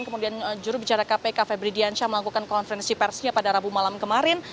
kemudian jurubicara kpk febri diansyah melakukan konferensi persnya pada rabu malam kemarin